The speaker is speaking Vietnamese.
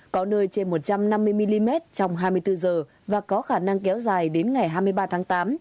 có nơi trên một trăm năm mươi mm trong hai mươi bốn h và có khả năng kéo dài đến ngày hai mươi ba tháng tám